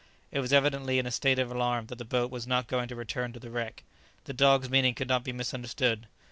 It was evidently in a state of alarm that the boat was not going to return to the wreck. The dog's meaning could not be misunderstood.